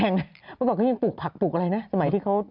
เมื่อก่อนมันยังปลูกผักอะไรนะ